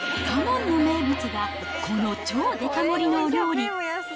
花門の名物がデカ盛りのお料理。